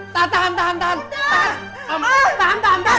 tahan tahan tahan